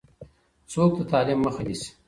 څوک د تعلیم مخه نیسي؟